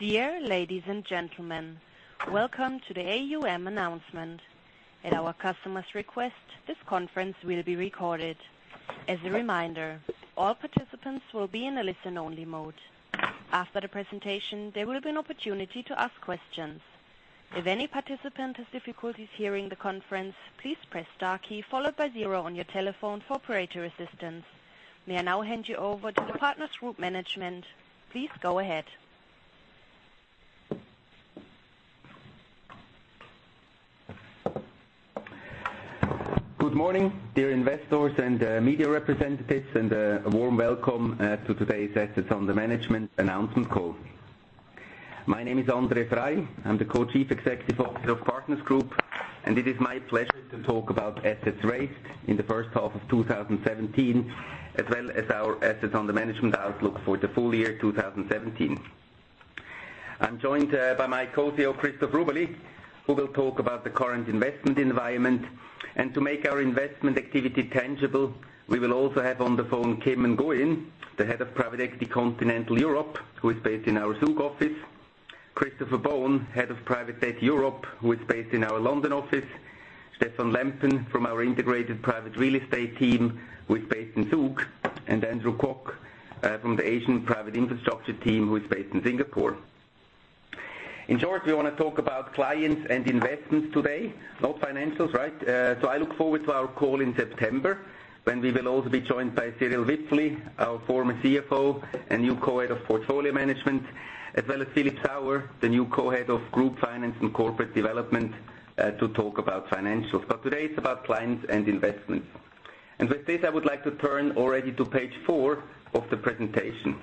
Dear ladies and gentlemen, welcome to the AUM announcement. At our customer's request, this conference will be recorded. As a reminder, all participants will be in a listen-only mode. After the presentation, there will be an opportunity to ask questions. If any participant has difficulties hearing the conference, please press * key followed by zero on your telephone for operator assistance. May I now hand you over to the Partners Group management. Please go ahead. Good morning, dear investors and media representatives, and a warm welcome to today's Assets Under Management announcement call. My name is André Frei. I am the Co-Chief Executive Officer of Partners Group, and it is my pleasure to talk about assets raised in the first half of 2017, as well as our assets under management outlook for the full year 2017. I am joined by my Co-CEO, Christoph Rubeli, who will talk about the current investment environment. To make our investment activity tangible, we will also have on the phone, Kim Nguyen, the head of Private Equity Continental Europe, who is based in our Zug office; Christopher Bone, head of Private Debt Europe, who is based in our London office; Stefan Lempen from our integrated private real estate team, who is based in Zug; and Andrew Kwok, from the Asian private infrastructure team, who is based in Singapore. In short, we want to talk about clients and investments today, not financials. I look forward to our call in September when we will also be joined by Cyrill Wipfli, our former CFO and new Co-Head of Portfolio Management, as well as Philip Sauer, the new co-head of group finance and corporate development, to talk about financials. Today it is about clients and investments. With this, I would like to turn already to page four of the presentation.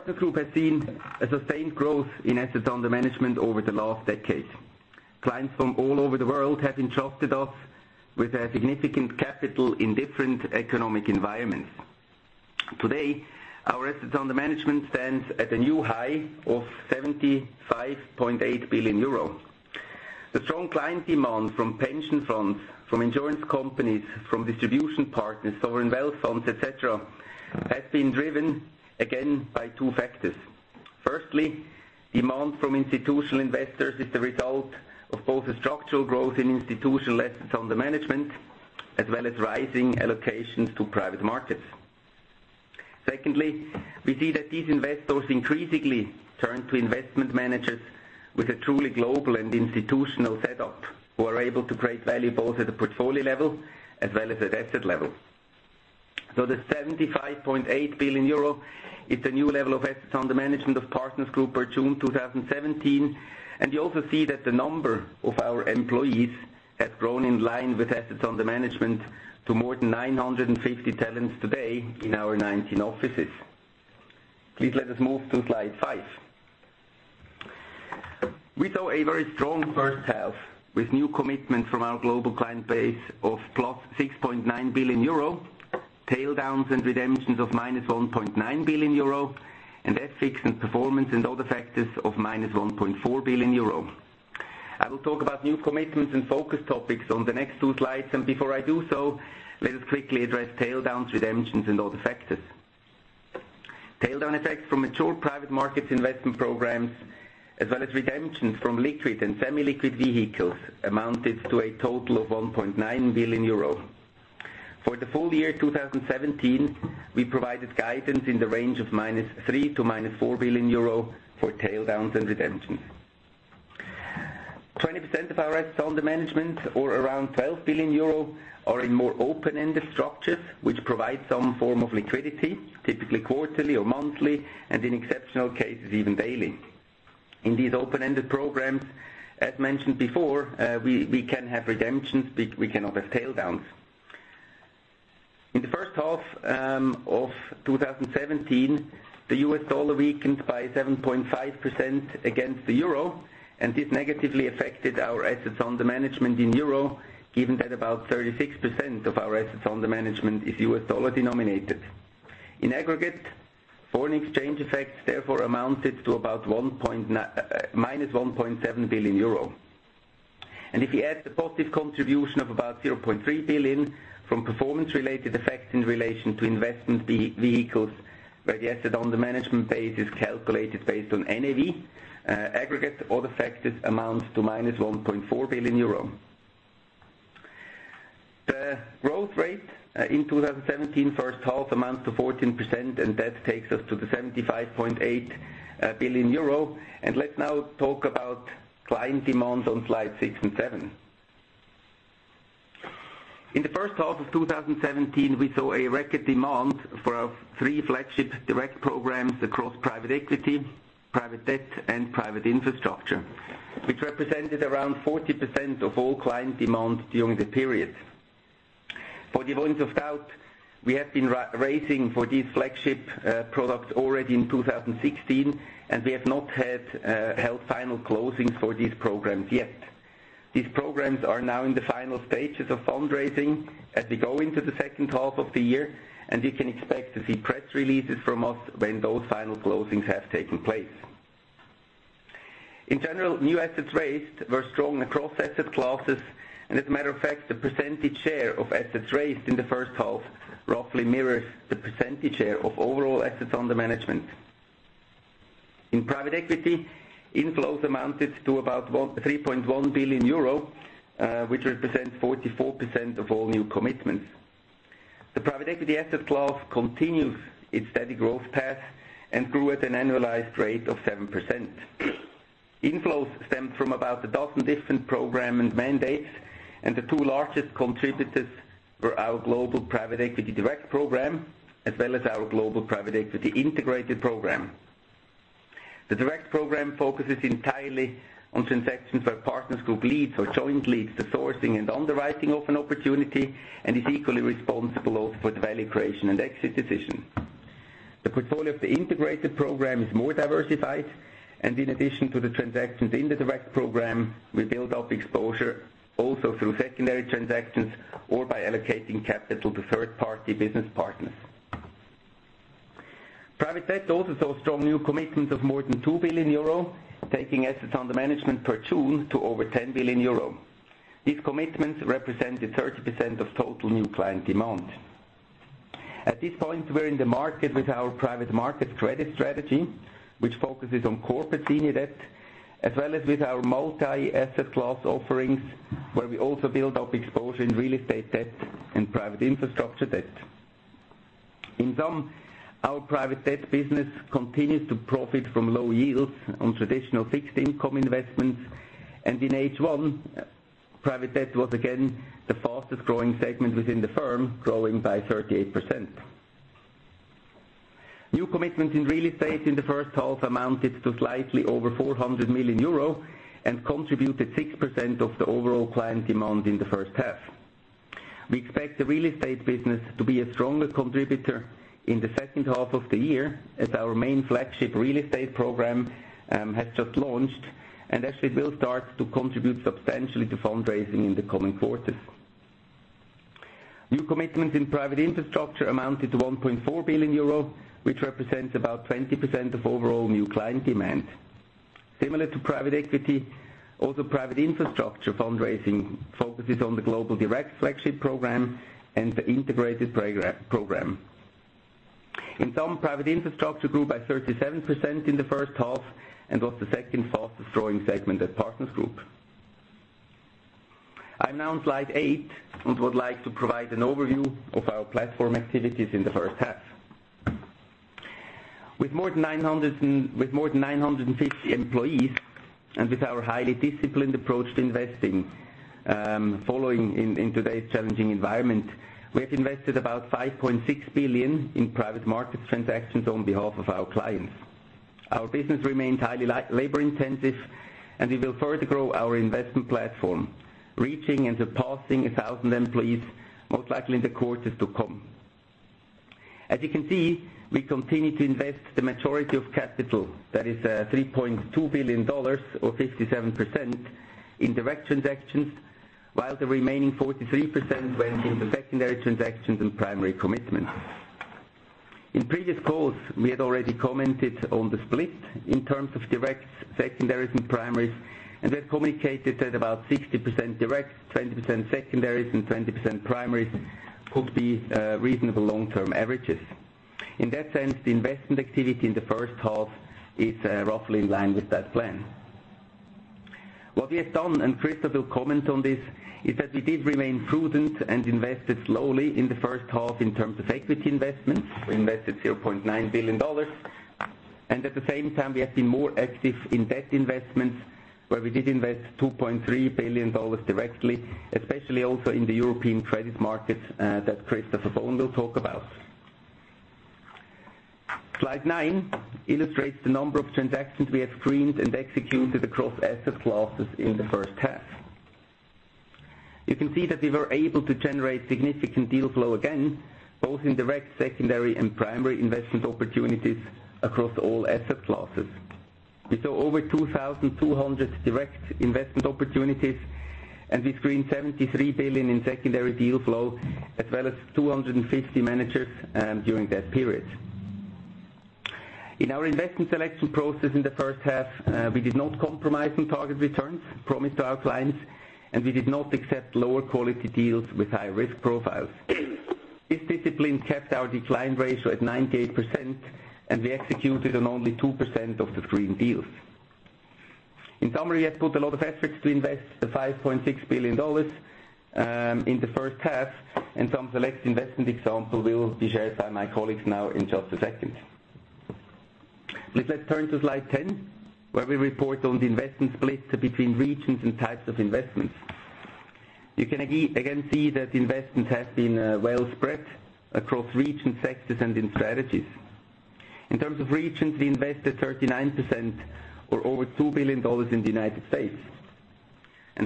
Partners Group has seen a sustained growth in assets under management over the last decade. Clients from all over the world have entrusted us with a significant capital in different economic environments. Today, our assets under management stands at a new high of 75.8 billion euro. The strong client demand from pension funds, from insurance companies, from distribution partners, sovereign wealth funds, et cetera, has been driven again by two factors. Firstly, demand from institutional investors is the result of both a structural growth in institutional assets under management, as well as rising allocations to private markets. Secondly, we see that these investors increasingly turn to investment managers with a truly global and institutional setup, who are able to create value both at the portfolio level as well as at asset level. The 75.8 billion euro, it is a new level of assets under management of Partners Group by June 2017, and you also see that the number of our employees has grown in line with assets under management to more than 950 talents today in our 19 offices. Please let us move to slide five. We saw a very strong first half with new commitments from our global client base of 6.9 billion euro, tail-ends and redemptions of -1.9 billion euro, and FX and performance and other factors of -1.4 billion euro. I will talk about new commitments and focus topics on the next two slides. Before I do so, let us quickly address tail-ends, redemptions, and other factors. tail-down effects from mature private markets investment programs, as well as redemptions from liquid and semi-liquid vehicles, amounted to a total of 1.9 billion euro. For the full year 2017, we provided guidance in the range of -3 billion to -4 billion euro for tail-ends and redemptions. 20% of our assets under management or around 12 billion euro are in more open-ended structures, which provide some form of liquidity, typically quarterly or monthly, and in exceptional cases, even daily. In these open-ended programs, as mentioned before, we can have redemptions, but we cannot have tail-ends. In the first half of 2017, the US dollar weakened by 7.5% against the EUR, and this negatively affected our assets under management in EUR, given that about 36% of our assets under management is US dollar denominated. In aggregate, foreign exchange effects therefore amounted to about -1.7 billion euro. If you add the positive contribution of about 0.3 billion from performance-related effects in relation to investment vehicles, where the asset under management base is calculated based on NAV, aggregate other factors amounts to -1.4 billion euro. The growth rate in 2017 first half amounts to 14%, and that takes us to the 75.8 billion euro. Let's now talk about client demands on slides six and seven. In the first half of 2017, we saw a record demand for our three flagship direct programs across private equity, private debt, and private infrastructure, which represented around 40% of all client demand during the period. For the avoidance of doubt, we have been raising for these flagship products already in 2016, and we have not held final closings for these programs yet. These programs are now in the final stages of fundraising as we go into the second half of the year, and you can expect to see press releases from us when those final closings have taken place. In general, new assets raised were strong across asset classes. As a matter of fact, the percentage share of assets raised in the first half roughly mirrors the percentage share of overall assets under management. In private equity, inflows amounted to about 3.1 billion euro, which represents 44% of all new commitments. The private equity asset class continues its steady growth path and grew at an annualized rate of 7%. Inflows stemmed from about a dozen different program and mandates, and the two largest contributors were our global private equity direct program, as well as our global private equity integrated program. The direct program focuses entirely on transactions where Partners Group leads or joint leads to sourcing and underwriting of an opportunity, and is equally responsible both for the value creation and exit decision. The portfolio of the integrated program is more diversified, and in addition to the transactions in the direct program, we build up exposure also through secondary transactions or by allocating capital to third-party business partners. Private debt also saw strong new commitments of more than 2 billion euro, taking assets under management for June to over 10 billion euro. These commitments represented 30% of total new client demand. At this point, we are in the market with our private market credit strategy, which focuses on corporate senior debt, as well as with our multi-asset class offerings, where we also build up exposure in real estate debt and private infrastructure debt. In sum, our private debt business continues to profit from low yields on traditional fixed income investments, and in H1, private debt was again the fastest-growing segment within the firm, growing by 38%. New commitments in real estate in the first half amounted to slightly over 400 million euro and contributed 6% of the overall client demand in the first half. We expect the real estate business to be a stronger contributor in the second half of the year as our main flagship real estate program has just launched and actually will start to contribute substantially to fundraising in the coming quarters. New commitments in private infrastructure amounted to 1.4 billion euro, which represents about 20% of overall new client demand. Similar to private equity, private infrastructure fundraising also focuses on the global direct flagship program and the integrated program. In sum, private infrastructure grew by 37% in the first half and was the second fastest-growing segment at Partners Group. I am now on slide eight and would like to provide an overview of our platform activities in the first half. With more than 950 employees and with our highly disciplined approach to investing, following in today's challenging environment, we have invested about 5.6 billion in private market transactions on behalf of our clients. Our business remains highly labor-intensive, and we will further grow our investment platform, reaching and surpassing 1,000 employees, most likely in the quarters to come. As you can see, we continue to invest the majority of capital, that is EUR 3.2 billion or 57%, in direct transactions, while the remaining 43% went into secondary transactions and primary commitments. In previous calls, we had already commented on the split in terms of directs, secondaries, and primaries, and we had communicated that about 60% directs, 20% secondaries, and 20% primaries could be reasonable long-term averages. In that sense, the investment activity in the first half is roughly in line with that plan. What we have done, and Christopher will comment on this, is that we did remain prudent and invested slowly in the first half in terms of equity investments. We invested EUR 0.9 billion, and at the same time, we have been more active in debt investments, where we did invest EUR 2.3 billion directly, especially also in the European credit markets that Christopher Bone will talk about. Slide nine illustrates the number of transactions we have screened and executed across asset classes in the first half. You can see that we were able to generate significant deal flow again, both in direct, secondary, and primary investment opportunities across all asset classes. We saw over 2,200 direct investment opportunities, and we screened 73 billion in secondary deal flow, as well as 250 managers during that period. In our investment selection process in the first half, we did not compromise on target returns promised to our clients, and we did not accept lower quality deals with high risk profiles. This discipline kept our decline ratio at 98%, and we executed on only 2% of the screened deals. In summary, we have put a lot of efforts to invest the EUR 5.6 billion in the first half, and some select investment examples will be shared by my colleagues now in just a second. Please let's turn to slide 10, where we report on the investment split between regions and types of investments. You can again see that investments have been well spread across regions, sectors, and in strategies. In terms of regions, we invested 39% or over EUR 2 billion in the United States.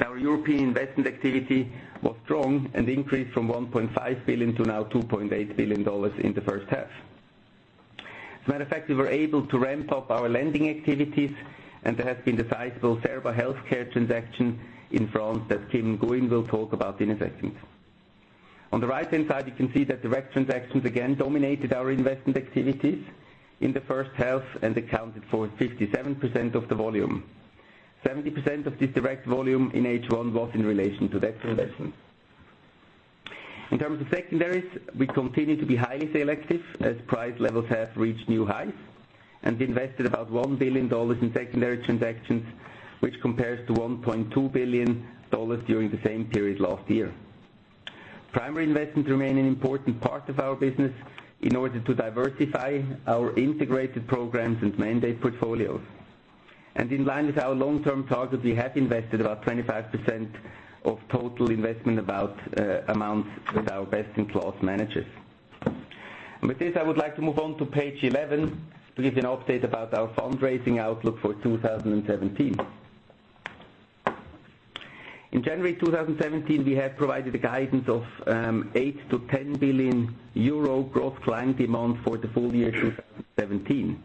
Our European investment activity was strong and increased from 1.5 billion to now EUR 2.8 billion in the first half. As a matter of fact, we were able to ramp up our lending activities, and there has been a sizable Cerba HealthCare transaction in France that Kim Nguyen will talk about in a second. On the right-hand side, you can see that direct transactions again dominated our investment activities in the first half and accounted for 57% of the volume. 70% of this direct volume in H1 was in relation to debt investments. In terms of secondaries, we continue to be highly selective as price levels have reached new highs, and invested about EUR 1 billion in secondary transactions, which compares to EUR 1.2 billion during the same period last year. Primary investments remain an important part of our business in order to diversify our integrated programs and mandate portfolios. In line with our long-term target, we have invested about 25% of total investment amounts with our best-in-class managers. With this, I would like to move on to page 11 to give you an update about our fundraising outlook for 2017. In January 2017, we have provided a guidance of 8 billion-10 billion euro growth client demand for the full year 2017.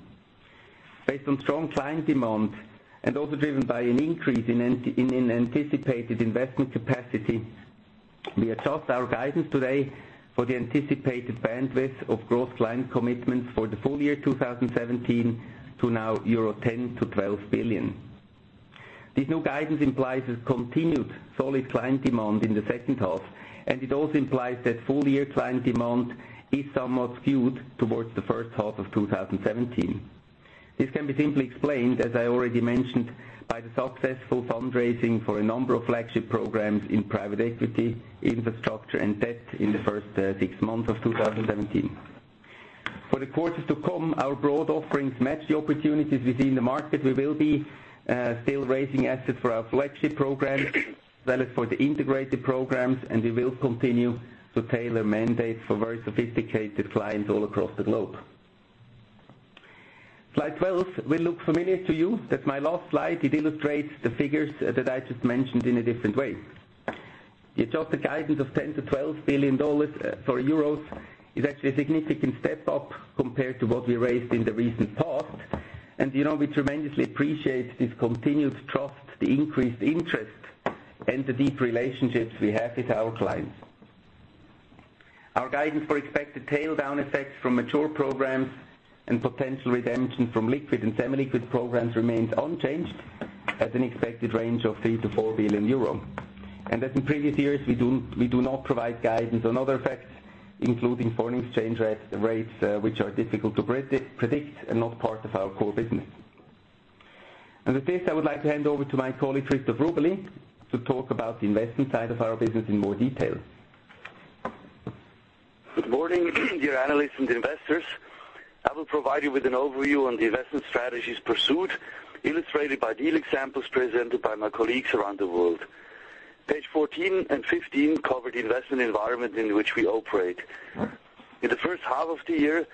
Based on strong client demand and also driven by an increase in anticipated investment capacity, we adjust our guidance today for the anticipated bandwidth of growth client commitments for the full year 2017 to now 10 billion-12 billion euro. This new guidance implies a continued solid client demand in the second half, and it also implies that full-year client demand is somewhat skewed towards the first half of 2017. This can be simply explained, as I already mentioned, by the successful fundraising for a number of flagship programs in private equity, infrastructure, and debt in the first six months of 2017. For the quarters to come, our broad offerings match the opportunities we see in the market. We will be still raising assets for our flagship programs, as well as for the integrated programs, and we will continue to tailor mandates for very sophisticated clients all across the globe. Slide 12 will look familiar to you. That's my last slide. It illustrates the figures that I just mentioned in a different way. The adjusted guidance of EUR 10 billion-EUR 12 billion is actually a significant step up compared to what we raised in the recent past. We tremendously appreciate this continued trust, the increased interest, and the deep relationships we have with our clients. Our guidance for expected tail down effects from mature programs and potential redemption from liquid and semi-liquid programs remains unchanged at an expected range of 3 billion-4 billion euro. As in previous years, we do not provide guidance on other effects, including foreign exchange rates, which are difficult to predict and not part of our core business. With this, I would like to hand over to my colleague, Christoph Rubeli, to talk about the investment side of our business in more detail. Good morning, dear analysts and investors. I will provide you with an overview on the investment strategies pursued, illustrated by deal examples presented by my colleagues around the world. Page 14 and 15 cover the investment environment in which we operate. In the first half of the year,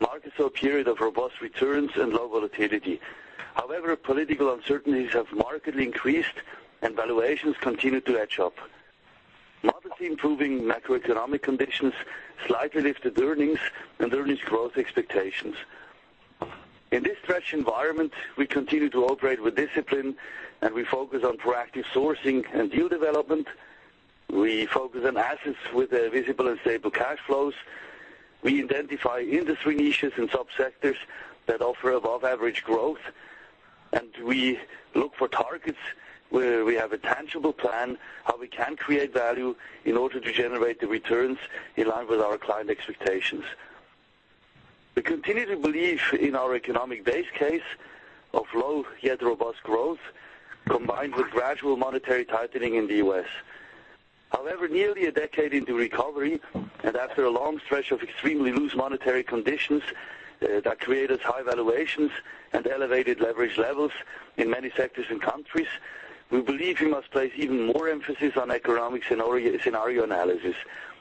markets saw a period of robust returns and low volatility. However, political uncertainties have markedly increased and valuations continue to edge up. Modestly improving macroeconomic conditions slightly lifted earnings and earnings growth expectations. In this fresh environment, we continue to operate with discipline, we focus on proactive sourcing and deal development. We focus on assets with visible and stable cash flows. We identify industry niches and subsectors that offer above-average growth, and we look for targets where we have a tangible plan how we can create value in order to generate the returns in line with our client expectations. We continue to believe in our economic base case of low yet robust growth, combined with gradual monetary tightening in the U.S. However, nearly a decade into recovery and after a long stretch of extremely loose monetary conditions that created high valuations and elevated leverage levels in many sectors and countries, we believe we must place even more emphasis on economic scenario analysis.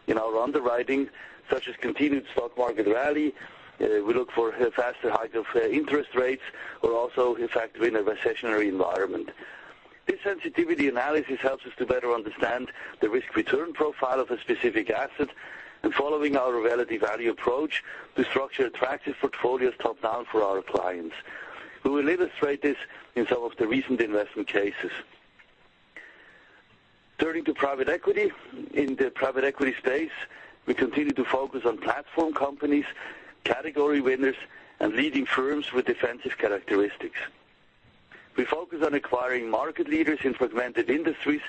In our underwriting, such as continued stock market rally, we look for a faster hike of interest rates, or also the effect within a recessionary environment. This sensitivity analysis helps us to better understand the risk-return profile of a specific asset. Following our relative value approach, we structure attractive portfolios top-down for our clients. We will illustrate this in some of the recent investment cases. Turning to private equity. In the private equity space, we continue to focus on platform companies, category winners, and leading firms with defensive characteristics. We focus on acquiring market leaders in fragmented industries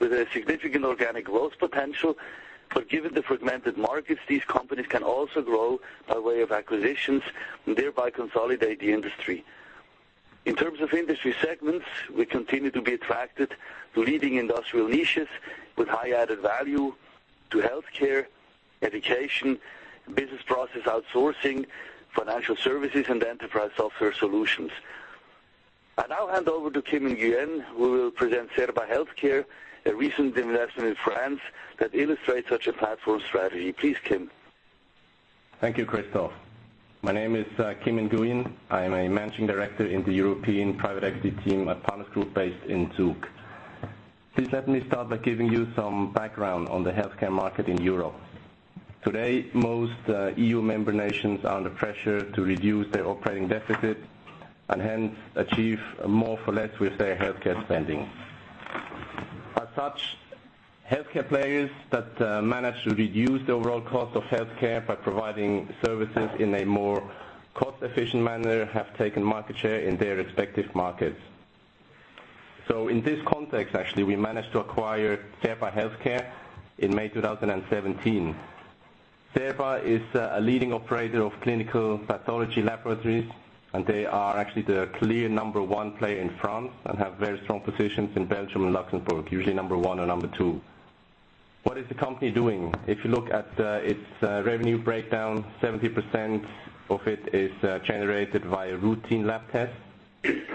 with a significant organic growth potential. Given the fragmented markets, these companies can also grow by way of acquisitions and thereby consolidate the industry. In terms of industry segments, we continue to be attracted to leading industrial niches with high added value to healthcare, education, business process outsourcing, financial services, and enterprise software solutions. I now hand over to Kim Nguyen, who will present Cerba HealthCare, a recent investment in France that illustrates such a platform strategy. Please, Kim. Thank you, Christoph. My name is Kim Nguyen. I am a managing director in the European private equity team at Partners Group based in Zug. Please let me start by giving you some background on the healthcare market in Europe. Today, most EU member nations are under pressure to reduce their operating deficit and hence achieve more for less with their healthcare spending. As such, healthcare players that manage to reduce the overall cost of healthcare by providing services in a more cost-efficient manner have taken market share in their respective markets. In this context, actually, we managed to acquire Cerba HealthCare in May 2017. Cerba is a leading operator of clinical pathology laboratories, and they are actually the clear number 1 player in France and have very strong positions in Belgium and Luxembourg, usually number 1 or number 2. What is the company doing? If you look at its revenue breakdown, 70% of it is generated via routine lab tests.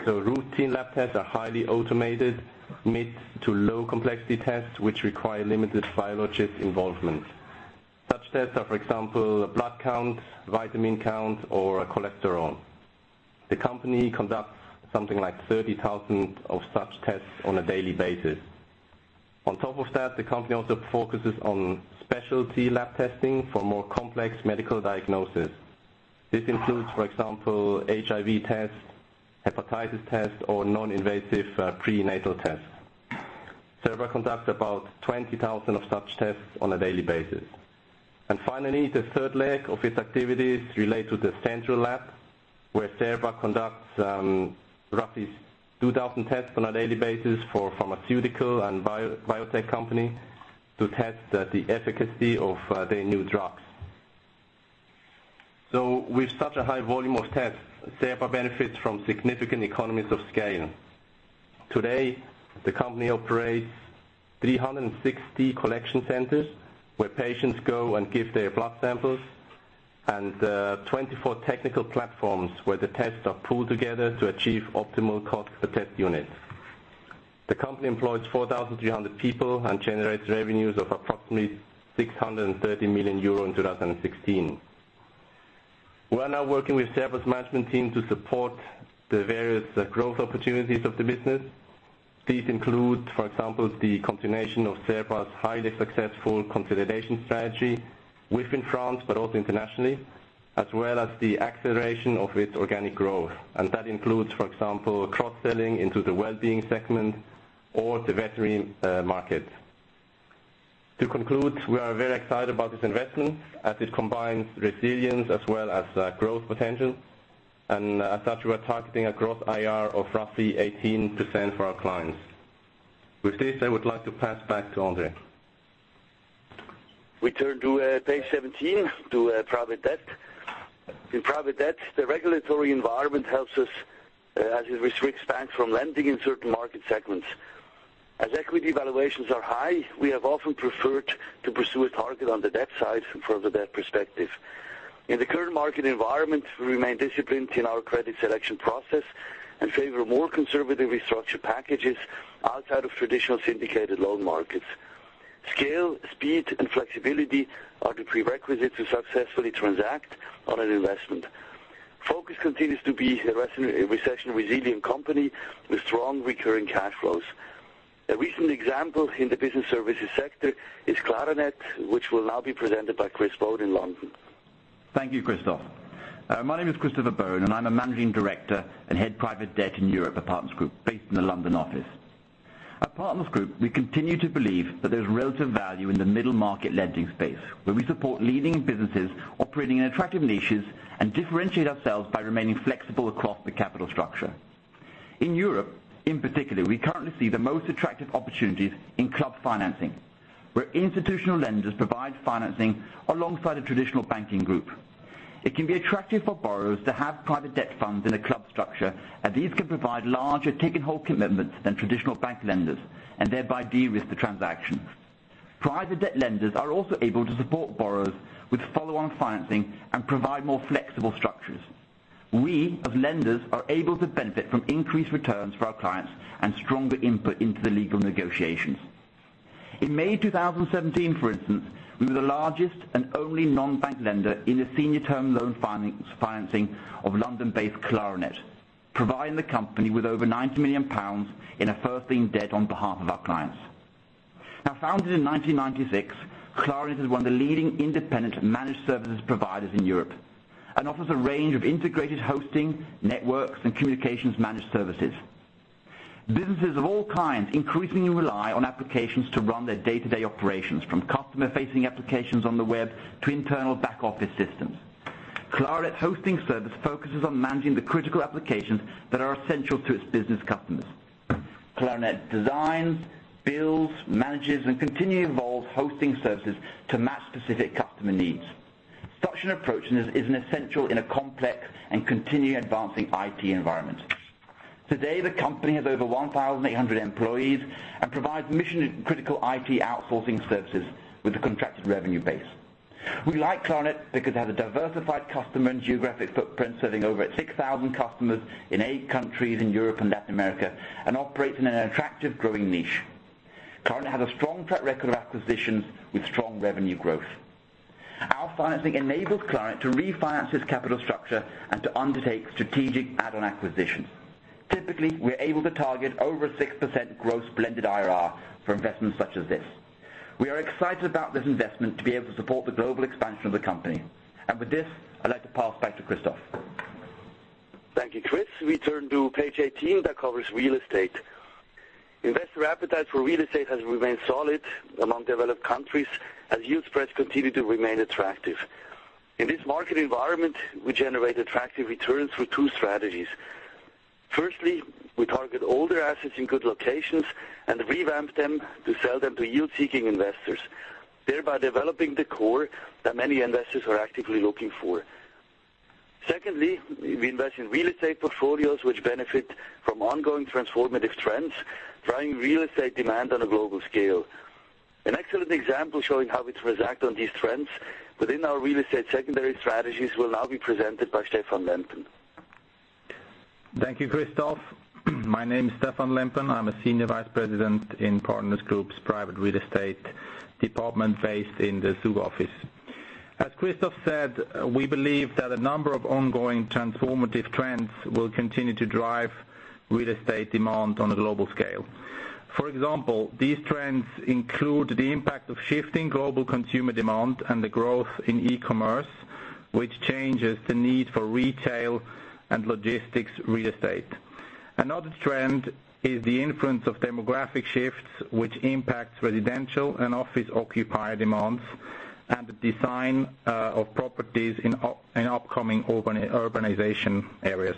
Routine lab tests are highly automated, mid-to-low complexity tests, which require limited biologist involvement. Such tests are, for example, blood count, vitamin count, or cholesterol. The company conducts something like 30,000 of such tests on a daily basis. On top of that, the company also focuses on specialty lab testing for more complex medical diagnosis. This includes, for example, HIV tests, hepatitis tests, or non-invasive prenatal tests. Cerba conducts about 20,000 of such tests on a daily basis. Finally, the third leg of its activities relate to the central lab, where Cerba conducts roughly 2,000 tests on a daily basis for pharmaceutical and biotech companies to test the efficacy of their new drugs. With such a high volume of tests, Cerba benefits from significant economies of scale. Today, the company operates 360 collection centers where patients go and give their blood samples, and 24 technical platforms where the tests are pooled together to achieve optimal cost per test unit. The company employs 4,300 people and generates revenues of approximately 630 million euro in 2016. We are now working with Cerba's management team to support the various growth opportunities of the business. These include, for example, the continuation of Cerba's highly successful consolidation strategy within France, but also internationally. As well as the acceleration of its organic growth. That includes, for example, cross-selling into the well-being segment or the veterinary market. To conclude, we are very excited about this investment as it combines resilience as well as growth potential, and as such, we're targeting a gross IRR of roughly 18% for our clients. With this, I would like to pass back to André. We turn to page 17, to private debt. In private debt, the regulatory environment helps us as it restricts banks from lending in certain market segments. As equity valuations are high, we have often preferred to pursue a target on the debt side from the debt perspective. In the current market environment, we remain disciplined in our credit selection process and favor more conservatively structured packages outside of traditional syndicated loan markets. Scale, speed, and flexibility are the prerequisites to successfully transact on an investment. Focus continues to be a recession resilient company with strong recurring cash flows. A recent example in the business services sector is Claranet, which will now be presented by Chris Bone in London. Thank you, Christoph. My name is Christopher Bone, and I'm a managing director and head private debt in Europe at Partners Group, based in the London office. At Partners Group, we continue to believe that there's relative value in the middle market lending space, where we support leading businesses operating in attractive niches and differentiate ourselves by remaining flexible across the capital structure. In Europe, in particular, we currently see the most attractive opportunities in club financing, where institutional lenders provide financing alongside a traditional banking group. It can be attractive for borrowers to have private debt funds in a club structure, as these can provide larger ticket hold commitments than traditional bank lenders, and thereby de-risk the transaction. Private debt lenders are also able to support borrowers with follow-on financing and provide more flexible structures. We, as lenders, are able to benefit from increased returns for our clients and stronger input into the legal negotiations. In May 2017, for instance, we were the largest and only non-bank lender in the senior term loan financing of London-based Claranet, providing the company with over 90 million pounds in a first lien debt on behalf of our clients. Founded in 1996, Claranet is one of the leading independent managed services providers in Europe and offers a range of integrated hosting, networks, and communications managed services. Businesses of all kinds increasingly rely on applications to run their day-to-day operations, from customer-facing applications on the web to internal back office systems. Claranet hosting service focuses on managing the critical applications that are essential to its business customers. Claranet designs, builds, manages, and continually evolves hosting services to match specific customer needs. Such an approach is an essential in a complex and continually advancing IT environment. Today, the company has over 1,800 employees and provides mission critical IT outsourcing services with a contracted revenue base. We like Claranet because it has a diversified customer and geographic footprint, serving over 6,000 customers in eight countries in Europe and Latin America, and operates in an attractive growing niche. Claranet has a strong track record of acquisitions with strong revenue growth. Our financing enables Claranet to refinance its capital structure and to undertake strategic add-on acquisitions. Typically, we're able to target over 6% gross blended IRR for investments such as this. We are excited about this investment to be able to support the global expansion of the company. With this, I'd like to pass back to Christoph. Thank you, Chris. We turn to page 18 that covers real estate. Investor appetite for real estate has remained solid among developed countries as yield spreads continue to remain attractive. In this market environment, we generate attractive returns through two strategies. Firstly, we target older assets in good locations and revamp them to sell them to yield-seeking investors, thereby developing the core that many investors are actively looking for. Secondly, we invest in real estate portfolios which benefit from ongoing transformative trends, driving real estate demand on a global scale. An excellent example showing how we transact on these trends within our real estate secondary strategies will now be presented by Stefan Lempen. Thank you, Christoph. My name is Stefan Lempen. I'm a senior vice president in Partners Group's private real estate department based in the Zug office. As Christoph said, we believe that a number of ongoing transformative trends will continue to drive real estate demand on a global scale. For example, these trends include the impact of shifting global consumer demand and the growth in e-commerce, which changes the need for retail and logistics real estate. Another trend is the influence of demographic shifts, which impacts residential and office occupier demands and the design of properties in upcoming urbanization areas.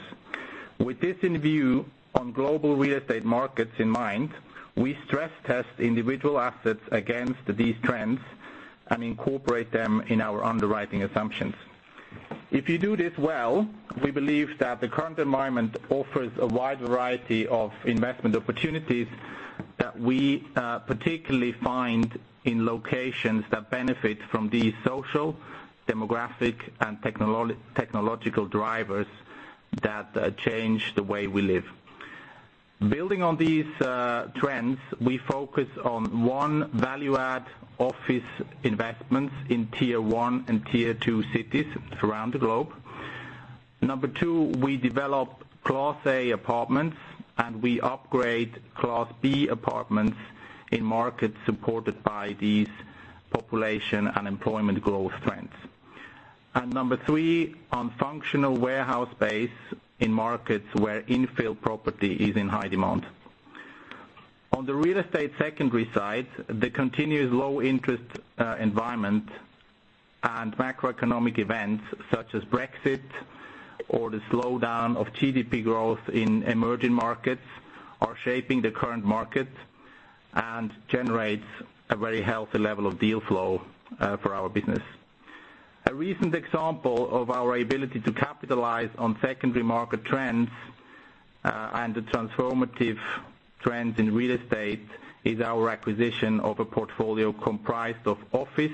With this in view, on global real estate markets in mind, we stress test individual assets against these trends and incorporate them in our underwriting assumptions. If you do this well, we believe that the current environment offers a wide variety of investment opportunities that we particularly find in locations that benefit from these social, demographic, and technological drivers that change the way we live. Building on these trends, we focus on, one, value-add office investments in tier 1 and tier 2 cities around the globe. Number two, we develop class A apartments, and we upgrade class B apartments in markets supported by these population and employment growth trends. Number three, on functional warehouse space in markets where infill property is in high demand. On the real estate secondary side, the continuous low-interest environment and macroeconomic events such as Brexit or the slowdown of GDP growth in emerging markets are shaping the current market and generates a very healthy level of deal flow for our business. A recent example of our ability to capitalize on secondary market trends and the transformative trends in real estate is our acquisition of a portfolio comprised of office,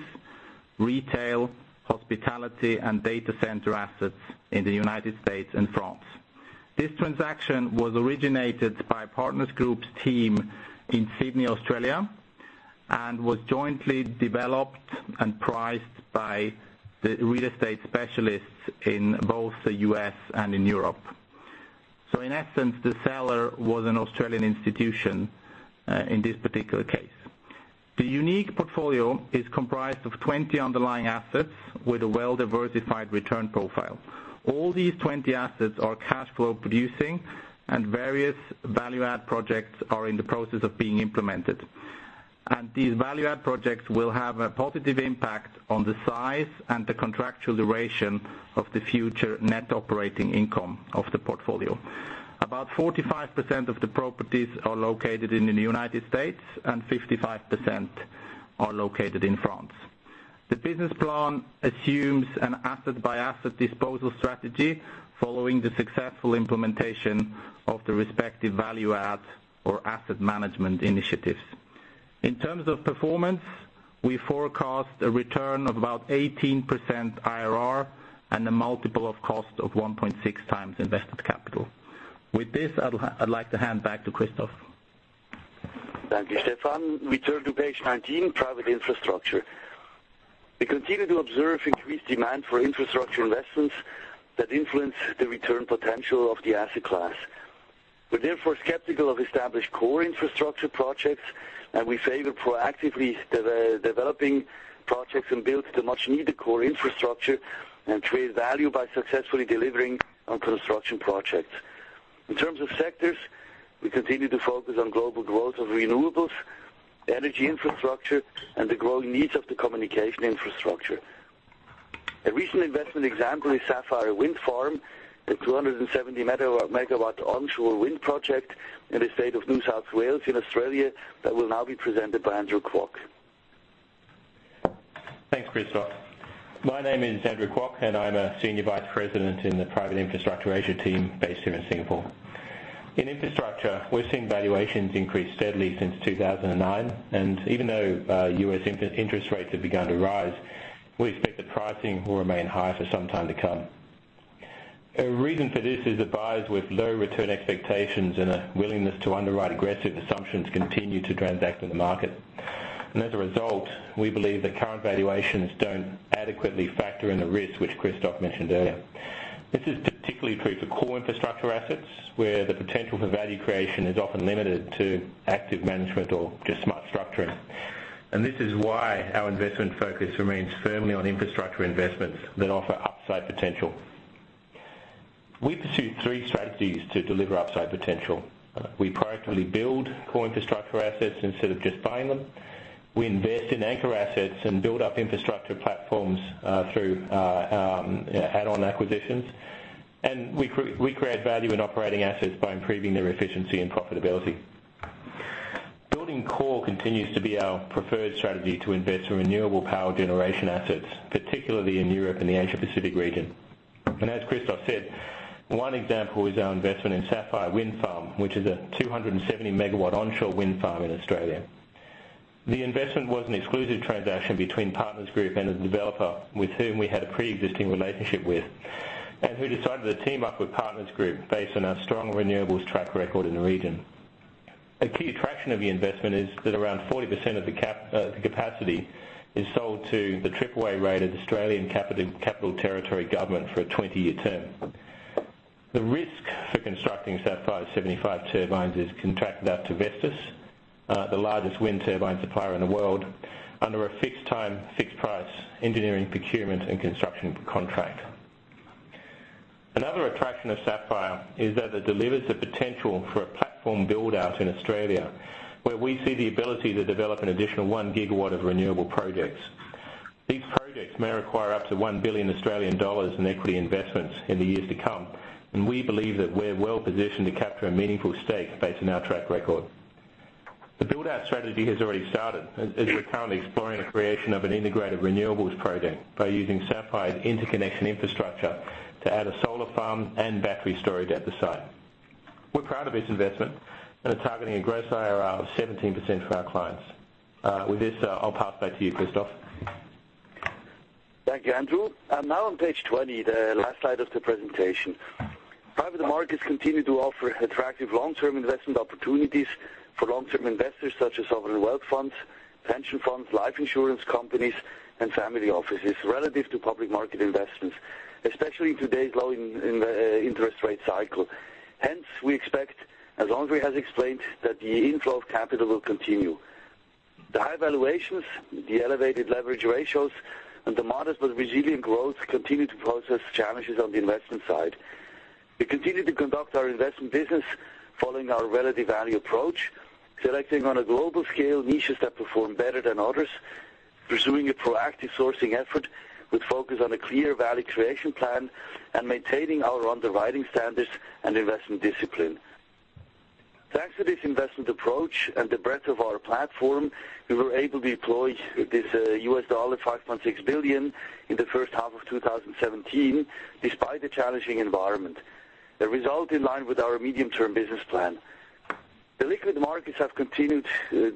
retail, hospitality, and data center assets in the U.S. and France. This transaction was originated by Partners Group's team in Sydney, Australia, and was jointly developed and priced by the real estate specialists in both the U.S. and in Europe. In essence, the seller was an Australian institution in this particular case. The unique portfolio is comprised of 20 underlying assets with a well-diversified return profile. All these 20 assets are cash flow producing and various value-add projects are in the process of being implemented. These value-add projects will have a positive impact on the size and the contractual duration of the future net operating income of the portfolio. About 45% of the properties are located in the U.S., and 55% are located in France. The business plan assumes an asset-by-asset disposal strategy following the successful implementation of the respective value-add or asset management initiatives. In terms of performance, we forecast a return of about 18% IRR and a multiple of cost of 1.6x invested capital. With this, I'd like to hand back to Christoph. Thank you, Stefan. We turn to page 19, private infrastructure. We continue to observe increased demand for infrastructure investments that influence the return potential of the asset class. We're therefore skeptical of established core infrastructure projects. We favor proactively developing projects and build the much-needed core infrastructure and create value by successfully delivering on construction projects. In terms of sectors, we continue to focus on global growth of renewables, energy infrastructure, and the growing needs of the communication infrastructure. A recent investment example is Sapphire Wind Farm, a 270-megawatt onshore wind project in the state of New South Wales in Australia, that will now be presented by Andrew Kwok. Thanks, Christoph. My name is Andrew Kwok, and I'm a senior vice president in the Private Infrastructure Asia team based here in Singapore. In infrastructure, we're seeing valuations increase steadily since 2009. Even though U.S. interest rates have begun to rise, we expect the pricing will remain high for some time to come. A reason for this is the buyers with low return expectations and a willingness to underwrite aggressive assumptions continue to transact in the market. As a result, we believe that current valuations don't adequately factor in the risk, which Christoph mentioned earlier. This is particularly true for core infrastructure assets, where the potential for value creation is often limited to active management or just smart structuring. This is why our investment focus remains firmly on infrastructure investments that offer upside potential. We pursue three strategies to deliver upside potential. We proactively build core infrastructure assets instead of just buying them. We invest in anchor assets and build up infrastructure platforms through add-on acquisitions. We create value in operating assets by improving their efficiency and profitability. Building core continues to be our preferred strategy to invest in renewable power generation assets, particularly in Europe and the Asia Pacific region. As Christoph said, one example is our investment in Sapphire Wind Farm, which is a 270-megawatt onshore wind farm in Australia. The investment was an exclusive transaction between Partners Group and the developer, with whom we had a preexisting relationship with, and who decided to team up with Partners Group based on our strong renewables track record in the region. A key attraction of the investment is that around 40% of the capacity is sold to the triple-A-rated Australian Capital Territory government for a 20-year term. The risk for constructing Sapphire's 75 turbines is contracted out to Vestas, the largest wind turbine supplier in the world, under a fixed time, fixed price engineering procurement and construction contract. Another attraction of Sapphire is that it delivers the potential for a platform build-out in Australia, where we see the ability to develop an additional one gigawatt of renewable projects. These projects may require up to 1 billion Australian dollars in equity investments in the years to come. We believe that we're well positioned to capture a meaningful stake based on our track record. The build-out strategy has already started, as we're currently exploring the creation of an integrated renewables project by using Sapphire's interconnection infrastructure to add a solar farm and battery storage at the site. We're proud of this investment and are targeting a gross IRR of 17% for our clients. With this, I'll pass back to you, Christoph. Thank you, Andrew. On page 20, the last slide of the presentation. Private markets continue to offer attractive long-term investment opportunities for long-term investors such as sovereign wealth funds, pension funds, life insurance companies, and family offices relative to public market investments, especially in today's low interest rate cycle. We expect, as André has explained, that the inflow of capital will continue. The high valuations, the elevated leverage ratios, and the modest but resilient growth continue to pose us challenges on the investment side. We continue to conduct our investment business following our relative value approach, selecting on a global scale niches that perform better than others, pursuing a proactive sourcing effort with focus on a clear value creation plan, and maintaining our underwriting standards and investment discipline. Thanks to this investment approach and the breadth of our platform, we were able to deploy this US dollar 5.6 billion in the first half of 2017, despite the challenging environment, the result in line with our medium-term business plan. The liquid markets have continued to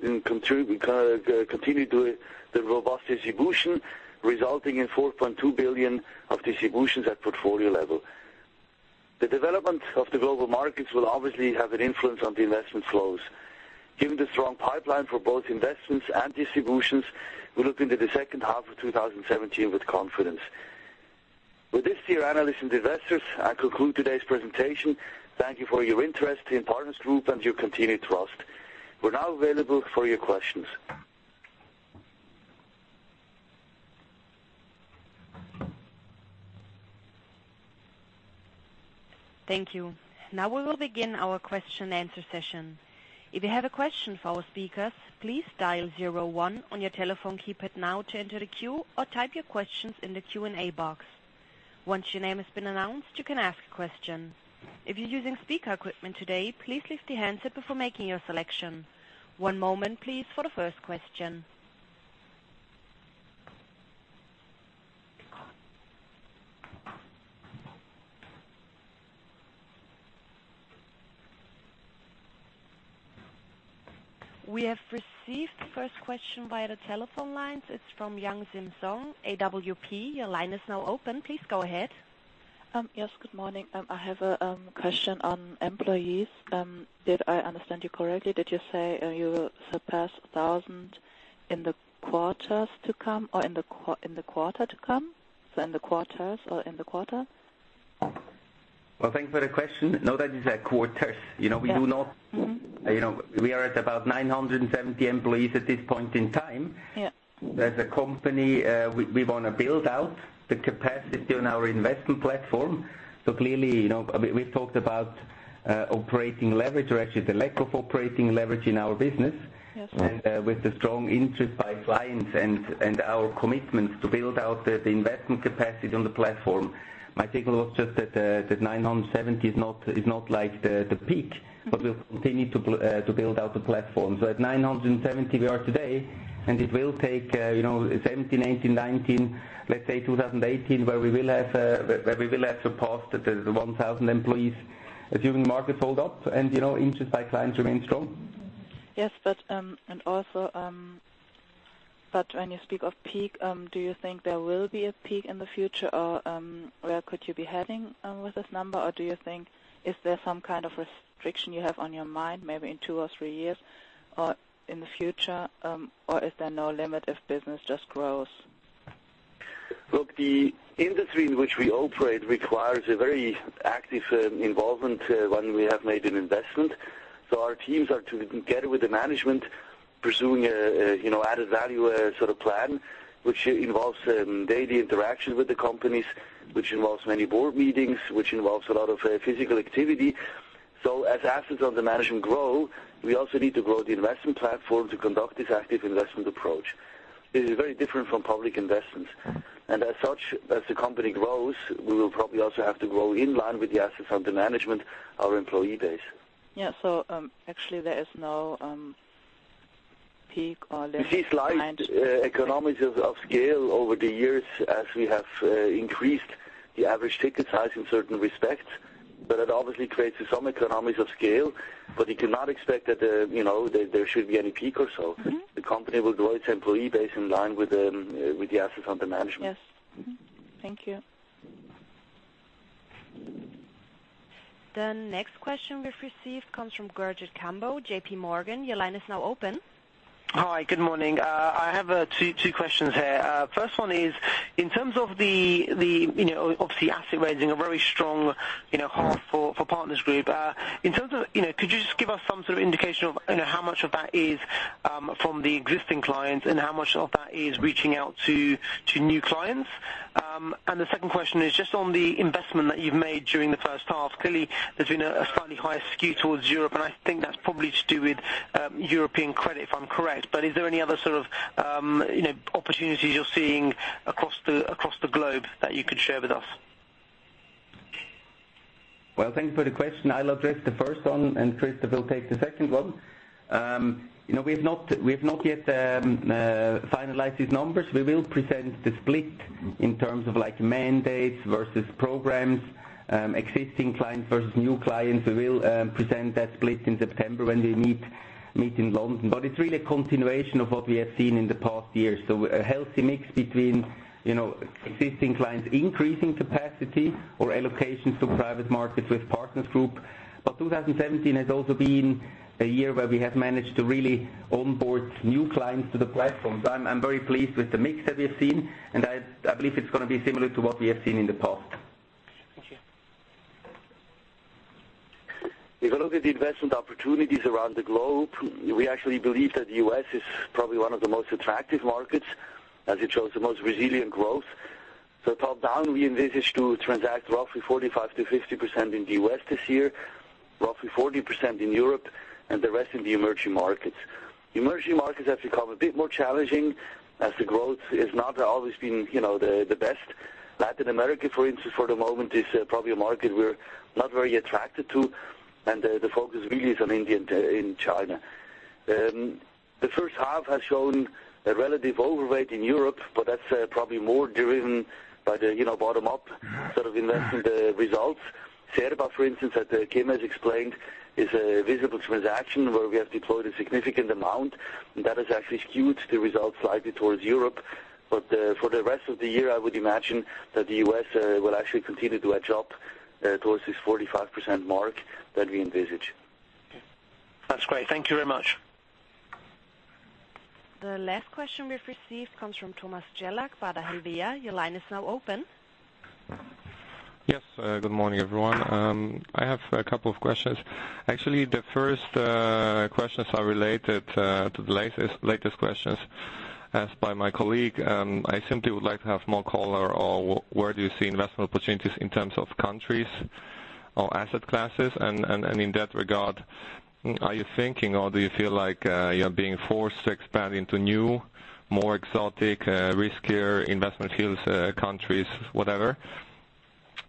the robust distribution, resulting in 4.2 billion of distributions at the portfolio level. The development of the global markets will obviously have an influence on the investment flows. Given the strong pipeline for both investments and distributions, we look into the second half of 2017 with confidence. With this, dear analysts and investors, I conclude today's presentation. Thank you for your interest in Partners Group and your continued trust. We're now available for your questions. Thank you. Now we will begin our question and answer session. If you have a question for our speakers, please dial zero one on your telephone keypad now to enter the queue, or type your questions in the Q&A box. Once your name has been announced, you can ask a question. If you're using speaker equipment today, please lift your handset before making your selection. One moment, please, for the first question. We have received the first question via the telephone lines. It's from Yang Zim Song, AWP. Your line is now open. Please go ahead. Yes, good morning. I have a question on employees. Did I understand you correctly? Did you say you will surpass 1,000 in the quarters to come or in the quarter to come? In the quarters or in the quarter? Well, thanks for the question. No, that is at quarters. Yeah. We are at about 970 employees at this point in time. Yeah. As a company, we want to build out the capacity on our investment platform. Clearly, we've talked about operating leverage or actually the lack of operating leverage in our business. Yes. With the strong interest by clients and our commitments to build out the investment capacity on the platform, my take was just that 970 is not the peak, but we'll continue to build out the platform. At 970, we are today, and it will take 2017, 2018, 2019, let's say 2018, where we will have surpassed the 1,000 employees assuming the market holds up and interest by clients remains strong. Yes. When you speak of peak, do you think there will be a peak in the future, or where could you be heading with this number? Or do you think, is there some kind of restriction you have on your mind maybe in two or three years or in the future? Or is there no limit if business just grows? Look, the industry in which we operate requires a very active involvement when we have made an investment. Our teams are, together with the management, pursuing a value-add sort of plan, which involves daily interaction with the companies, which involves many board meetings, which involves a lot of physical activity. As assets under management grow, we also need to grow the investment platform to conduct this active investment approach. It is very different from public investments. As such, as the company grows, we will probably also have to grow in line with the assets under management, our employee base. Yeah. Actually there is no peak or limit in mind. We see slight economies of scale over the years as we have increased the average ticket size in certain respects, it obviously creates some economies of scale. You cannot expect that there should be any peak or so. The company will grow its employee base in line with the assets under management. Yes. Mm-hmm. Thank you. The next question we've received comes from Gurjit Kambo, J.P. Morgan. Your line is now open. Hi, good morning. I have two questions here. First one is, in terms of the obviously asset raising, a very strong half for Partners Group. Could you just give us some sort of indication of how much of that is from the existing clients and how much of that is reaching out to new clients? The second question is just on the investment that you've made during the first half. Clearly, there's been a slightly higher skew towards Europe, and I think that's probably to do with European credit, if I'm correct. Is there any other sort of opportunities you're seeing across the globe that you could share with us? Well, thank you for the question. I'll address the first one. Christoph will take the second one. We've not yet finalized these numbers. We will present the split in terms of mandates versus programs, existing clients versus new clients. We will present that split in September when we meet in London. It's really a continuation of what we have seen in the past years. A healthy mix between existing clients increasing capacity or allocations to private markets with Partners Group. 2017 has also been a year where we have managed to really onboard new clients to the platform. I'm very pleased with the mix that we've seen, and I believe it's going to be similar to what we have seen in the past. Thank you. If you look at the investment opportunities around the globe, we actually believe that the U.S. is probably one of the most attractive markets as it shows the most resilient growth. Top down, we envisage to transact roughly 45%-50% in the U.S. this year, roughly 40% in Europe, and the rest in the emerging markets. Emerging markets have become a bit more challenging as the growth has not always been the best. Latin America, for instance, for the moment, is probably a market we're not very attracted to, and the focus really is on India and China. The first half has shown a relative overweight in Europe, but that's probably more driven by the bottom-up sort of investment results. Cerba, for instance, that Kim has explained, is a visible transaction where we have deployed a significant amount, and that has actually skewed the results slightly towards Europe. For the rest of the year, I would imagine that the U.S. will actually continue to edge up towards this 45% mark that we envisage. That's great. Thank you very much. The last question we've received comes from Thomas Gelang, Baader Helvea. Your line is now open. Yes. Good morning, everyone. I have a couple of questions. Actually, the first questions are related to the latest questions asked by my colleague. I simply would like to have more color on where do you see investment opportunities in terms of countries or asset classes? In that regard, are you thinking or do you feel like you're being forced to expand into new, more exotic, riskier investment fields, countries, whatever?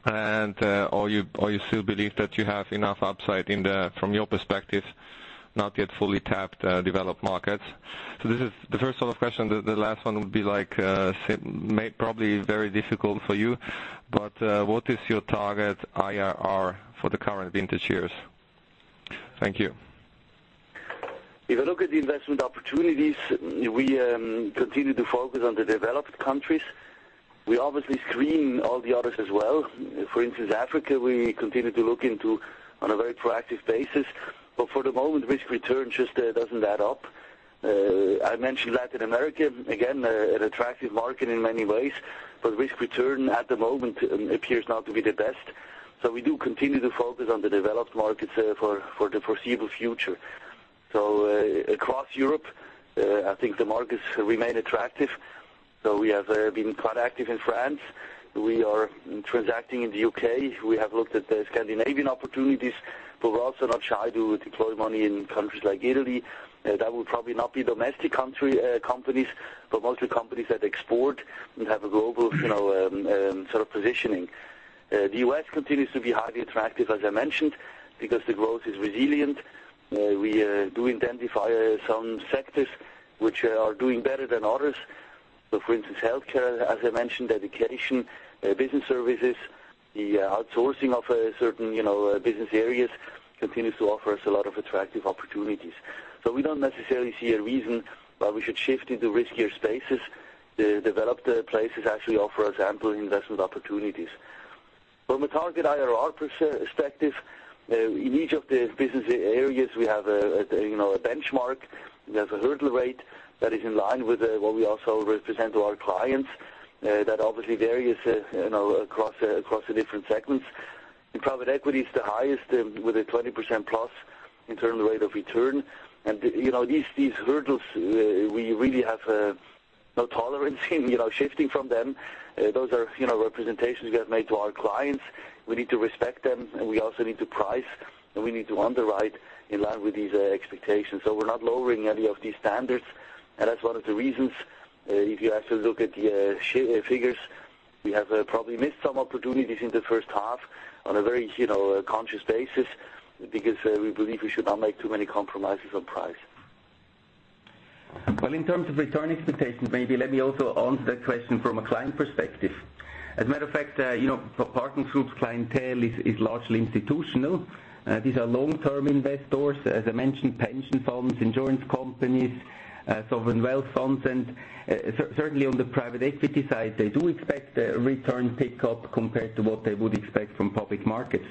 You still believe that you have enough upside in the, from your perspective, not yet fully tapped developed markets? This is the first sort of question. The last one would be probably very difficult for you, but what is your target IRR for the current vintage years? Thank you. If you look at the investment opportunities, we continue to focus on the developed countries. We obviously screen all the others as well. For instance, Africa, we continue to look into on a very proactive basis. For the moment, risk return just doesn't add up. I mentioned Latin America, again, an attractive market in many ways, but risk return at the moment appears not to be the best. We do continue to focus on the developed markets for the foreseeable future. Across Europe, I think the markets remain attractive. We have been quite active in France. We are transacting in the U.K. We have looked at the Scandinavian opportunities, but we're also not shy to deploy money in countries like Italy. That would probably not be domestic companies, but mostly companies that export and have a global sort of positioning. The U.S. continues to be highly attractive, as I mentioned, because the growth is resilient. We do identify some sectors which are doing better than others. For instance, healthcare, as I mentioned, education, business services, the outsourcing of certain business areas continues to offer us a lot of attractive opportunities. We don't necessarily see a reason why we should shift into riskier spaces. The developed places actually offer us ample investment opportunities. From a target IRR perspective, in each of the business areas, we have a benchmark. We have a hurdle rate that is in line with what we also represent to our clients, that obviously varies across the different segments. In private equity it's the highest with a 20%+ internal rate of return. These hurdles, we really have no tolerance in shifting from them. Those are representations we have made to our clients. We need to respect them, and we also need to price, and we need to underwrite in line with these expectations. We're not lowering any of these standards. That's one of the reasons, if you actually look at the figures, we have probably missed some opportunities in the first half on a very conscious basis, because we believe we should not make too many compromises on price. Well, in terms of return expectations, maybe let me also answer that question from a client perspective. As a matter of fact, Partners Group's clientele is largely institutional. These are long-term investors, as I mentioned, pension funds, insurance companies, sovereign wealth funds. Certainly on the private equity side, they do expect a return pickup compared to what they would expect from public markets.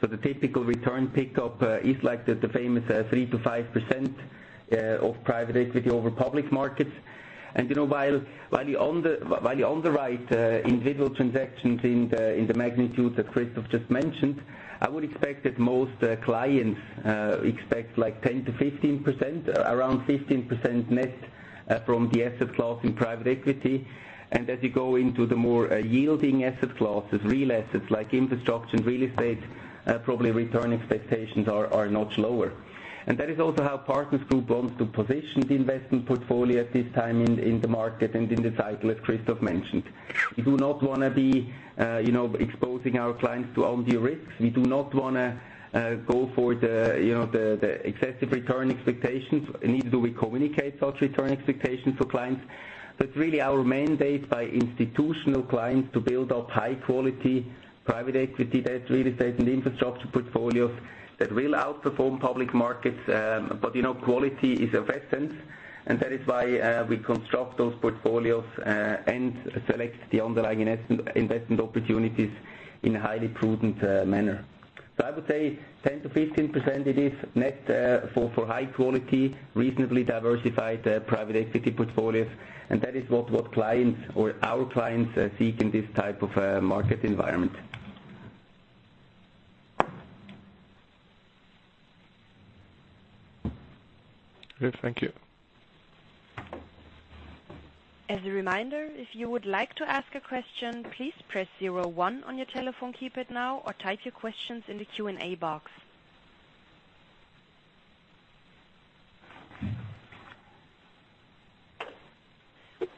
The typical return pickup is like the famous 3%-5% of private equity over public markets. While you underwrite individual transactions in the magnitude that Christoph just mentioned, I would expect that most clients expect 10%-15%, around 15% net from the asset class in private equity. As you go into the more yielding asset classes, real assets like infrastructure and real estate, probably return expectations are a notch lower. That is also how Partners Group wants to position the investment portfolio at this time in the market and in the cycle, as Christoph mentioned. We do not want to be exposing our clients to undue risks. We do not want to go for the excessive return expectations, neither do we communicate such return expectations for clients. That's really our mandate by institutional clients to build up high quality private equity, real estate, and infrastructure portfolios that will outperform public markets. Quality is of essence, and that is why we construct those portfolios, and select the underlying investment opportunities in a highly prudent manner. I would say 10%-15% it is net for high quality, reasonably diversified private equity portfolios, and that is what our clients seek in this type of market environment. Good. Thank you. As a reminder, if you would like to ask a question, please press zero one on your telephone keypad now or type your questions in the Q&A box.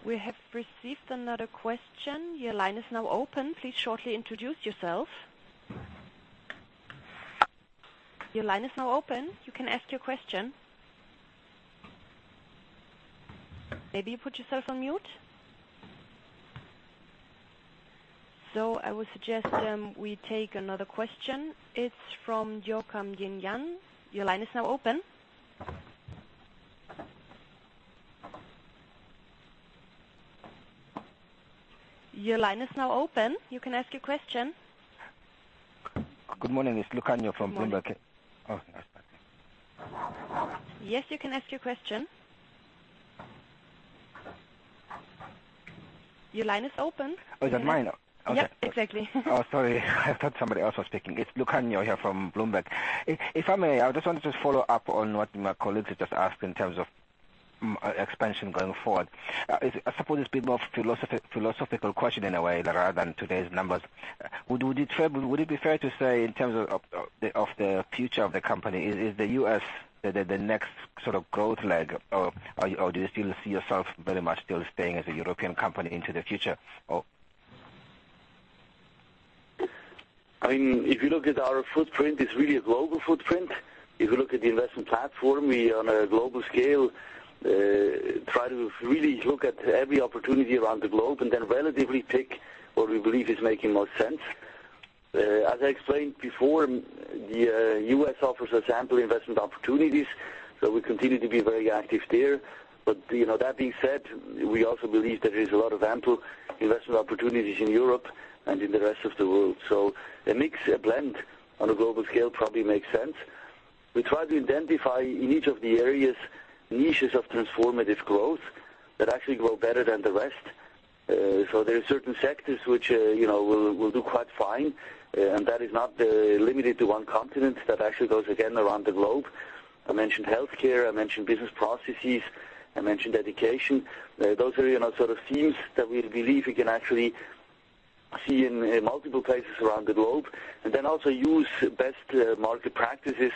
We have received another question. Your line is now open. Please shortly introduce yourself. Your line is now open. You can ask your question. Maybe you put yourself on mute? I would suggest we take another question. It's from Joachim Breininger. Your line is now open. Your line is now open. You can ask your question. Good morning. It's Lukanyo from Bloomberg. Yes, you can ask your question. Your line is open. Oh, is that mine? Yeah, exactly. Oh, sorry. I thought somebody else was speaking. It's Lukanyo here from Bloomberg. If I may, I just wanted to follow up on what my colleagues had just asked in terms of expansion going forward. I suppose it's a bit more of a philosophical question in a way, rather than today's numbers. Would it be fair to say in terms of the future of the company, is the U.S. the next growth leg, or do you still see yourself very much still staying as a European company into the future? If you look at our footprint, it's really a global footprint. If you look at the investment platform, we on a global scale, try to really look at every opportunity around the globe. Then relatively pick what we believe is making most sense. As I explained before, the U.S. offers us ample investment opportunities, so we continue to be very active there. That being said, we also believe there is a lot of ample investment opportunities in Europe and in the rest of the world. A mix, a blend on a global scale probably makes sense. We try to identify in each of the areas niches of transformative growth that actually grow better than the rest. There are certain sectors which will do quite fine, and that is not limited to one continent. That actually goes again around the globe. I mentioned healthcare, I mentioned business processes, I mentioned education. Those are themes that we believe we can actually see in multiple places around the globe. Then also use best market practices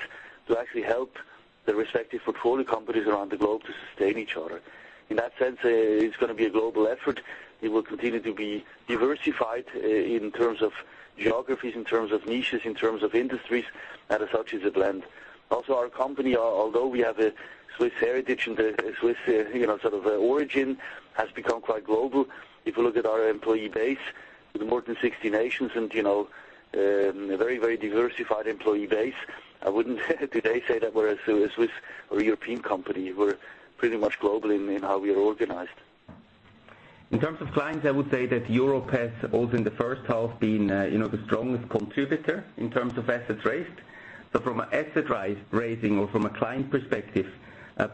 to actually help the respective portfolio companies around the globe to sustain each other. In that sense, it's going to be a global effort It will continue to be diversified in terms of geographies, in terms of niches, in terms of industries, and as such is it lend. Also our company, although we have a Swiss heritage and a Swiss origin, has become quite global. If you look at our employee base, with more than 60 nations and a very diversified employee base, I wouldn't today say that we're a Swiss or a European company. We're pretty much global in how we are organized. In terms of clients, I would say that Europe has, also in the first half, been the strongest contributor in terms of assets raised. From an asset raising or from a client perspective,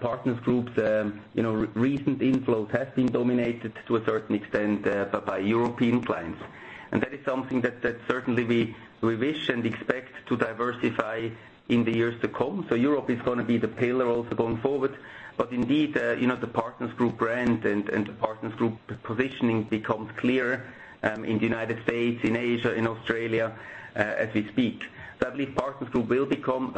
Partners Group's recent inflows have been dominated to a certain extent by European clients. That is something that certainly we wish and expect to diversify in the years to come. Europe is going to be the pillar also going forward, but indeed, the Partners Group brand and the Partners Group positioning becomes clear in the United States, in Asia, in Australia as we speak. I believe Partners Group will become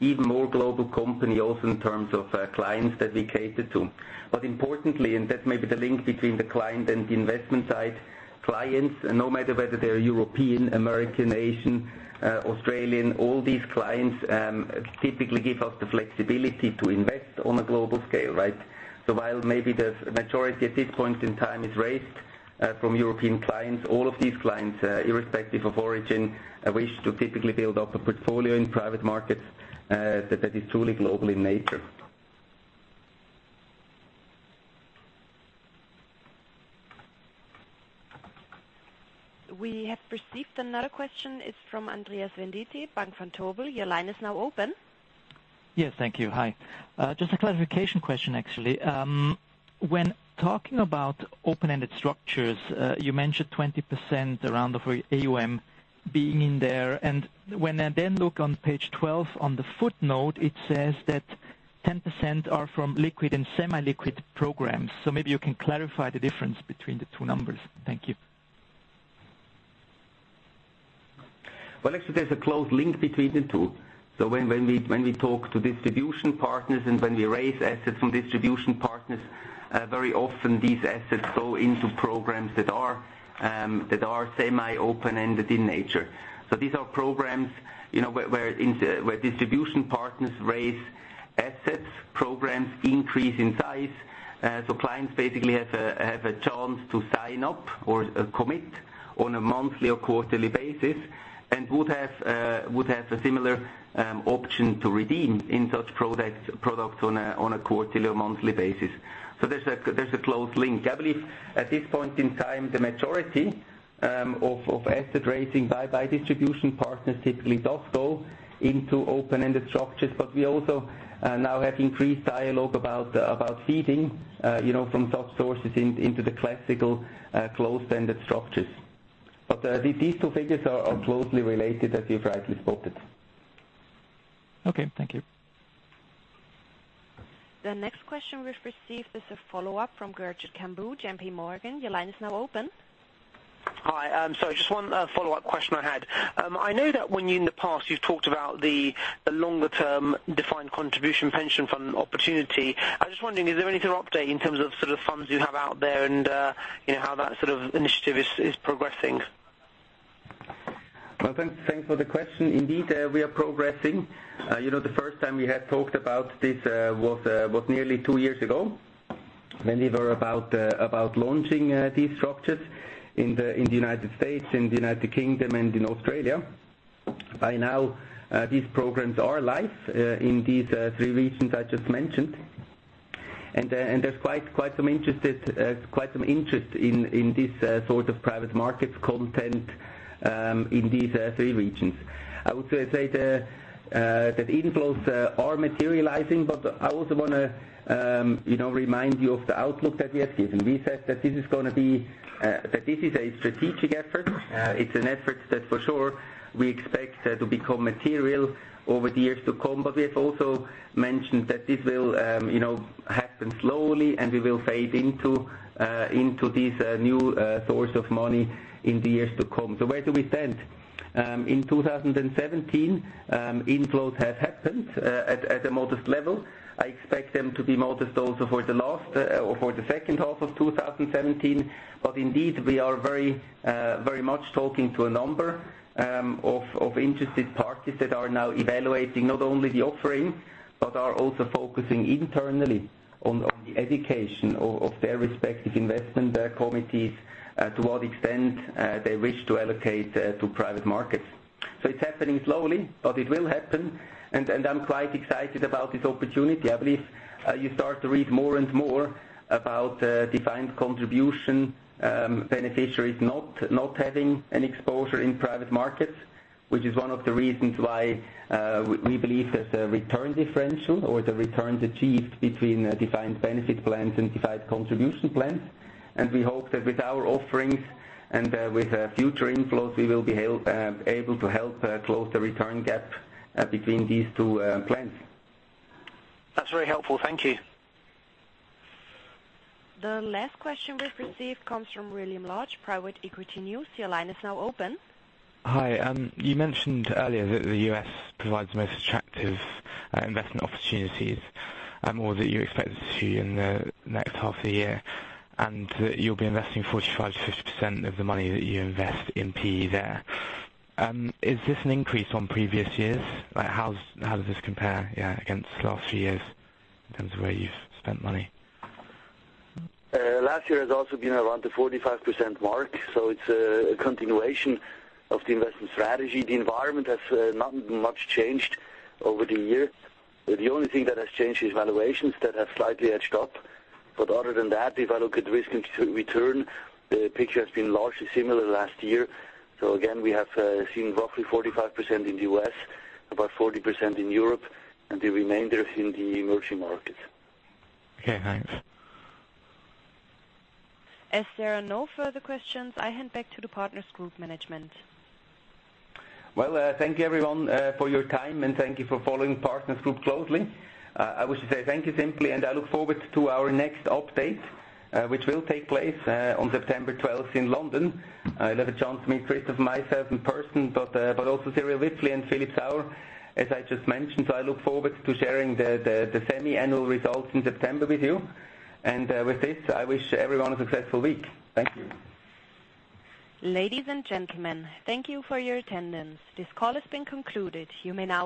even more global company also in terms of clients that we cater to. Importantly, and that may be the link between the client and the investment side, clients, no matter whether they're European, American, Asian, Australian, all these clients typically give us the flexibility to invest on a global scale. While maybe the majority at this point in time is raised from European clients, all of these clients, irrespective of origin, wish to typically build up a portfolio in private markets that is truly global in nature. We have received another question. It's from Andreas Venditti, Bank Vontobel. Your line is now open. Yes. Thank you. Hi. Just a clarification question, actually. When talking about open-ended structures, you mentioned 20% around of AUM being in there. When I then look on page 12, on the footnote, it says that 10% are from liquid and semi-liquid programs. Maybe you can clarify the difference between the two numbers. Thank you. Well, actually, there's a close link between the two. When we talk to distribution partners and when we raise assets from distribution partners, very often these assets go into programs that are semi open-ended in nature. These are programs where distribution partners raise assets, programs increase in size. Clients basically have a chance to sign up or commit on a monthly or quarterly basis, and would have a similar option to redeem in such products on a quarterly or monthly basis. There's a close link. I believe at this point in time, the majority of asset raising by distribution partners typically does go into open-ended structures. We also now have increased dialogue about feeding from such sources into the classical closed-ended structures. These two figures are closely related, as you've rightly spotted. Okay, thank you. The next question we've received is a follow-up from Gurjit Kambo, J.P. Morgan. Your line is now open. Hi. Sorry, just one follow-up question I had. I know that when you, in the past, you've talked about the longer-term defined contribution pension fund opportunity. I was just wondering, is there any sort of update in terms of sort of funds you have out there and how that sort of initiative is progressing? Well, thanks for the question. Indeed, we are progressing. The first time we had talked about this was nearly two years ago, when we were about launching these structures in the U.S., in the U.K., and in Australia. By now, these programs are live in these three regions I just mentioned. There's quite some interest in this sort of private markets content in these three regions. I would say that inflows are materializing, but I also want to remind you of the outlook that we have given. We said that this is a strategic effort. It's an effort that for sure we expect to become material over the years to come. We have also mentioned that this will happen slowly, and we will fade into this new source of money in the years to come. Where do we stand? In 2017, inflows have happened at a modest level. I expect them to be modest also for the second half of 2017. Indeed, we are very much talking to a number of interested parties that are now evaluating not only the offering, but are also focusing internally on the education of their respective investment committees, to what extent they wish to allocate to private markets. It's happening slowly, but it will happen, and I'm quite excited about this opportunity. I believe you start to read more and more about defined contribution beneficiaries not having an exposure in private markets, which is one of the reasons why we believe there's a return differential or the returns achieved between defined benefit plans and defined contribution plans. We hope that with our offerings and with future inflows, we will be able to help close the return gap between these two plans. That's very helpful. Thank you. The last question we've received comes from William Louch, Private Equity News. Your line is now open. Hi. You mentioned earlier that the U.S. provides the most attractive investment opportunities, or that you expect it to in the next half of the year, and that you'll be investing 45%-50% of the money that you invest in PE there. Is this an increase from previous years? How does this compare against the last few years in terms of where you've spent money? Last year has also been around the 45% mark, it's a continuation of the investment strategy. The environment has not much changed over the years. The only thing that has changed is valuations that have slightly edged up. Other than that, if I look at risk and return, the picture has been largely similar the last year. Again, we have seen roughly 45% in the U.S., about 40% in Europe, and the remainder is in the emerging markets. Okay, thanks. As there are no further questions, I hand back to the Partners Group management. Well, thank you everyone for your time. Thank you for following Partners Group closely. I wish to say thank you simply. I look forward to our next update, which will take place on September 12th in London. You'll have a chance to meet Christoph, myself in person, but also Cyrill Wipfli and Philippe Sauer, as I just mentioned. I look forward to sharing the semi-annual results in September with you. With this, I wish everyone a successful week. Thank you. Ladies and gentlemen, thank you for your attendance. This call has been concluded. You may now disconnect.